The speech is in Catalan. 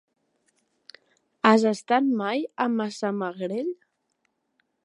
Has estat mai a Massamagrell?